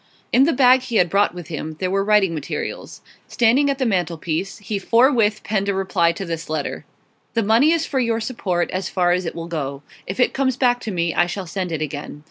In the bag he had brought with him there were writing materials. Standing at the mantelpiece, he forthwith penned a reply to this letter: 'The money is for your support, as far as it will go. If it comes back to me I shall send it again.